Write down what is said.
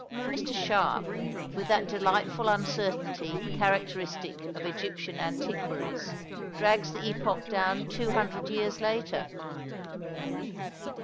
Mr. Sharpe, with that delightful uncertainty characteristic of Egyptian antiquaries, drags the epoch down two hundred years later.